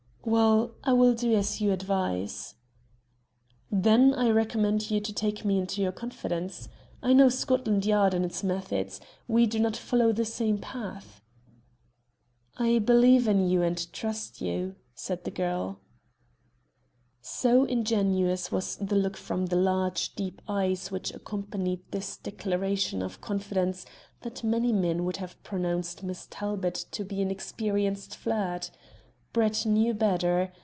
"Well, I will do as you advise." "Then I recommend you to take me into your confidence. I know Scotland Yard and its methods. We do not follow the same path." "I believe in you and trust you," said the girl. So ingenuous was the look from the large, deep eyes which accompanied this declaration of confidence, that many men would have pronounced Miss Talbot to be an experienced flirt. Brett knew better.